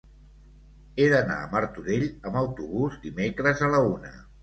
He d'anar a Martorell amb autobús dimecres a la una.